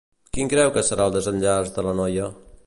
Quin creu que serà el desenllaç de la noia?